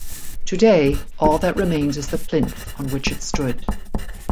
Today, all that remains is the plinth on which it stood.